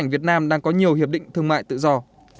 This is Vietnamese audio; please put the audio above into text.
việt nam đang có nhiều hiệp định thương mại tự do